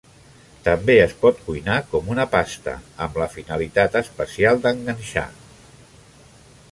També es pot cuinar com una pasta amb la finalitat especial d'enganxar.